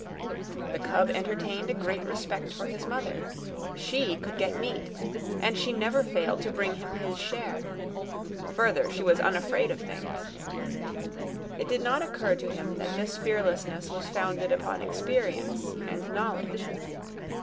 The cub entertained a great respect for his mother. She could get meat, and she never failed to bring him his share. Further, she was unafraid of things. It did not occur to him that this fearlessness was founded upon experience and knowledge.